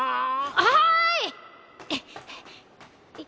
はい！